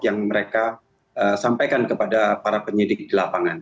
yang mereka sampaikan kepada para penyidik di lapangan